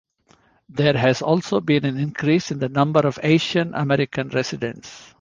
There has also been an increase in the number of Asian American residents.